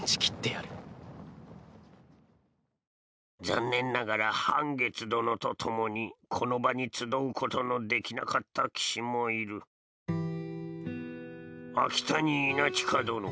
残念ながら半月殿と共にこの場に集うことのできなかった騎士もいる秋谷稲近殿。